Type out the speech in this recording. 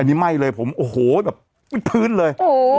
อันนี้ไหม้เลยผมโอ้โหแบบมิดพื้นเลย